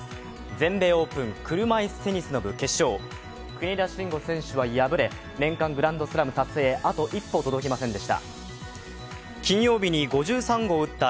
全米オープン車いすの部決勝、国枝慎吾選手は敗れ、年間グランドスラム達成へあと一歩届きませんでした。